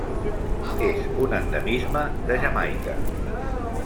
És un endemisme de Jamaica.